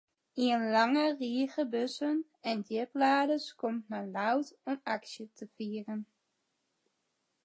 In lange rige bussen en djipladers komt nei Ljouwert om aksje te fieren.